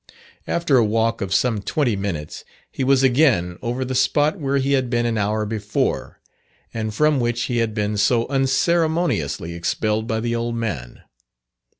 After a walk of some twenty minutes, he was again over the spot where he had been an hour before, and from which he had been so unceremoniously expelled by the old man.